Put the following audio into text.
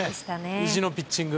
意地のピッチング。